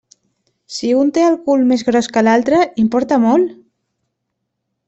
Si un té el cul més gros que l'altre, importa molt?